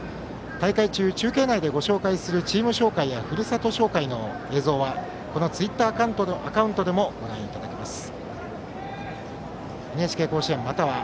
大会中、中継内で紹介するチーム紹介やふるさと紹介の映像はこのツイッターアカウントでもご覧いただけます。